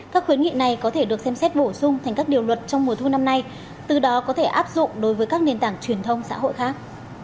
các khuyến nghị này có thể được xem xét bổ sung thành các điều luật trong mùa thu năm nay từ đó có thể áp dụng đối với các nền tảng truyền thông xã hội khác